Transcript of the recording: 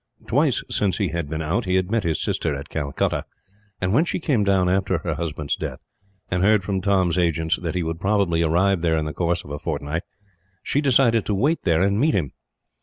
Twice since he had been out he had met his sister at Calcutta, and when she came down after her husband's death, and heard from Tom's agents that he would probably arrive there in the course of a fortnight, she decided to wait there and meet him.